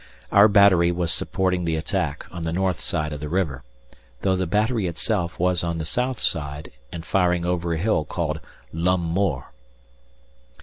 Our battery was supporting the attack on the north side of the river, though the battery itself was on the south side, and firing over a hill called L'Homme Mort.